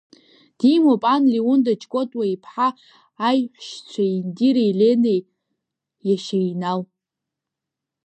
Димоуп ан Лиуда Чкотуа-ԥҳа, аиҳәшьцәа Индиреи Ленеи, иашьа Инал.